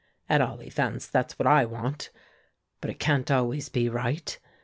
At all events, that's what I want. But it can't always be right.